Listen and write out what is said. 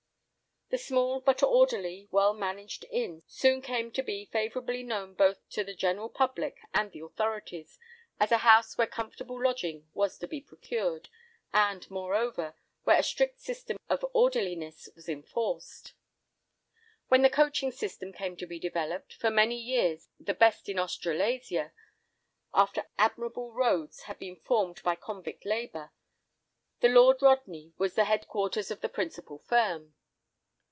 The small, but orderly, well managed inn soon came to be favourably known both to the general public and the authorities, as a house where comfortable lodging was to be procured, and, moreover, where a strict system of orderliness was enforced. When the coaching system came to be developed, for many years the best in Australasia, after admirable roads had been formed by convict labour, the Lord Rodney was the headquarters of the principal firm.